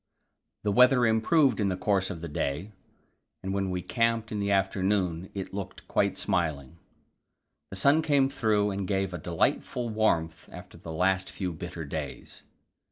The weather improved in the course of the day, and when we camped in the afternoon it looked quite smiling. The sun came through and gave a delightful warmth after the last few bitter days.